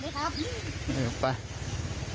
สวัสดีครับ